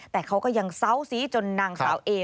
แต่เขาก็ยังเซาซีจนนางสาวเอ